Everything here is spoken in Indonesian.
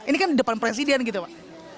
ini kan depan presiden gitu pak